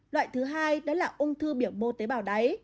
loại thứ hai đó là ung thư biểu mô tế bào đáy